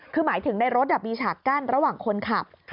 คือหมายถึงในรถมีฉากกั้นระหว่างคนขับ